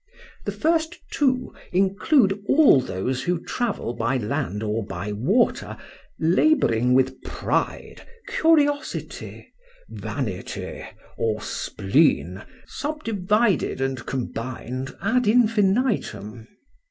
The first two include all those who travel by land or by water, labouring with pride, curiosity, vanity, or spleen, subdivided and combined ad infinitum.